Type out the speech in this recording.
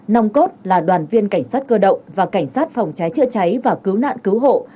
nòng cốt là đoàn viên cảnh sát cơ động và cảnh sát phòng cháy chữa cháy và cứu nạn cứu hộ